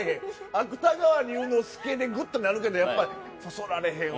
芥川龍之介でグッとなるけどやっぱそそられへんわ。